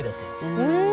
うん！